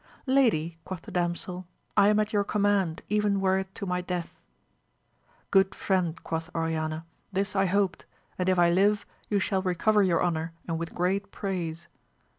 Lady, quoth the damsel, I am at your command even were it to my death. Good friend, quoth Oriana, this I hoped, and if I live you shall recover your honour and with great praise.